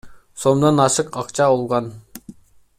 сомдон ашык акча алган.